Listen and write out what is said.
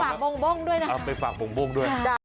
ฝากมุ่งโบ้งด้วยนะครับค่ะจ้ะเอาไปฝากมุ่งโบ้งด้วย